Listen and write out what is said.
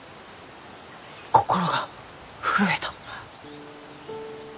心が震えた。